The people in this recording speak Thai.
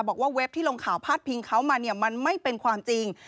เว็บที่ลงข่าวพาดพิงเขามาเนี่ยมันไม่เป็นความจริง